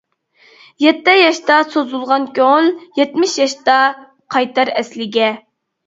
يەتتە ياشتا سوزۇلغان كۆڭۈل، يەتمىش ياشتا قايتار ئەسلىگە.